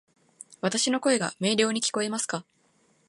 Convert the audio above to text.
わたし（の声）が明瞭に聞こえますか？